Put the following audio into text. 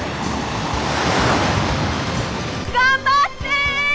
頑張って！